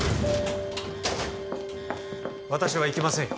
私は行きませんよ